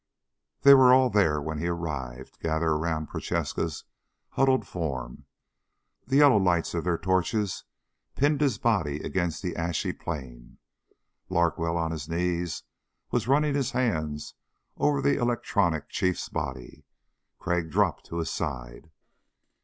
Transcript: They were all there when he arrived, gathered around Prochaska's huddled form. The yellow lights of their torches pinned his body against the ashy plain. Larkwell, on his knees, was running his hands over the electronic chief's body. Crag dropped to his side.